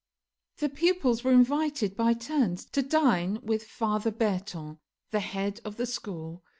The pupils were invited by turns to dine with Father Berton, the head of the school.